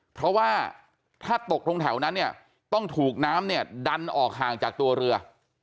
เพราะว่าถ้าตกตรงแถวนั้นเนี่ยต้องถูกน้ำเนี่ยดันออกห่างจากตัวเรือ